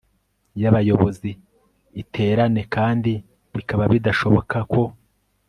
y abayobozi iterane kandi bikaba bidashoboka ko